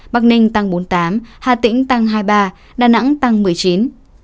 nghệ an giảm bốn mươi hà tĩnh giảm hai mươi ba đà nẵng giảm một mươi chín